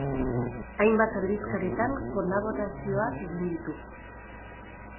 Hainbat aldizkaritan kolaborazioak egin ditu.